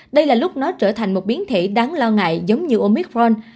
đây là lúc nó trở thành một biến thể đáng lo ngại giống như omitron